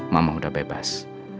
mama udah bebas